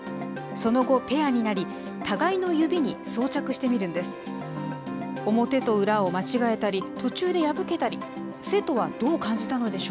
その後、ペアになり、互いの指に装着してみるんです。